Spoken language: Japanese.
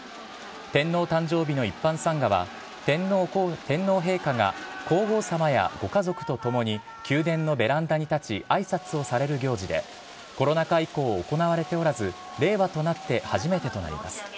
天皇誕生日の一般参賀は、天皇陛下が皇后さまやご家族と共に宮殿のベランダに立ち、あいさつをされる行事で、コロナ禍以降、行われておらず、令和となって初めてとなります。